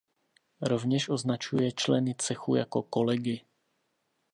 Rovněž označuje členy cechu jako kolegy.